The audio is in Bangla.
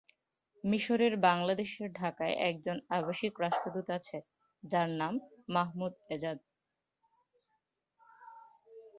মিশরের বাংলাদেশের ঢাকায় একজন আবাসিক রাষ্ট্রদূত আছে, যার নাম মাহমুদ এজাত।